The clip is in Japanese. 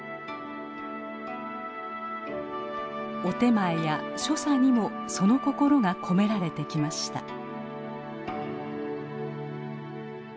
お点前や所作にもその心が込められてきました。